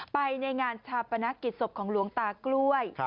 ไปในงานชาวประนะกิจสบของลวงตากล้วย